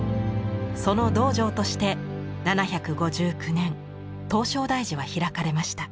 その道場として７５９年唐招提寺は開かれました。